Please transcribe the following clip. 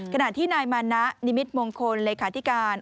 ขณะที่นายมานะนิมิตมงคลเลขาธิการ